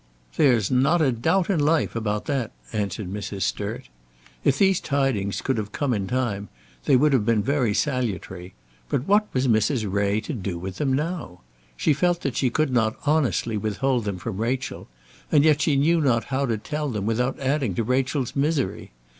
"There's not a doubt in life about that," answered Mrs. Sturt. If these tidings could have come in time they would have been very salutary; but what was Mrs. Ray to do with them now? She felt that she could not honestly withhold them from Rachel; and yet she knew not how to tell them without adding to Rachel's misery.